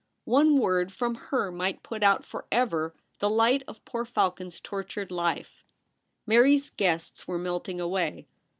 One word from her might put out for ever the light of poor Falcon's tortured life. Mary's guests were melting away.